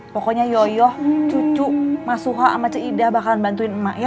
pokoknya yoyo cucu mas suha sama cik ida bakalan bantuin emak ya